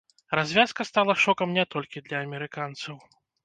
Развязка стала шокам не толькі для амерыканцаў.